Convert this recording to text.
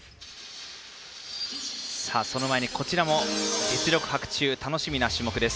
その前に、こちらも実力伯仲楽しみな種目です。